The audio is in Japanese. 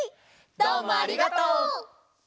どうもありがとう！